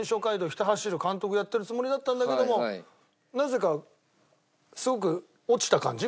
ひた走る監督やってるつもりだったんだけどもなぜかすごく落ちた感じ